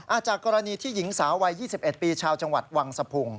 จากกรณีที่หญิงสาววัย๒๑ปีชาวจังหวัดวังสะพุง